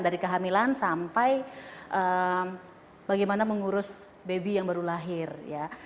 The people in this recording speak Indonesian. dari kehamilan sampai bagaimana mengurus baby yang baru lahir ya